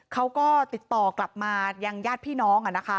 เขาก็ติดต่อกลับมายังญาติพี่น้อง